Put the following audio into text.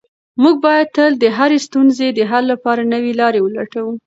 موږ باید تل د هرې ستونزې د حل لپاره نوې لاره ولټوو.